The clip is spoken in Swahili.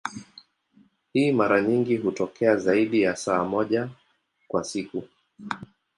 Hii mara nyingi hutokea zaidi ya saa moja kwa siku.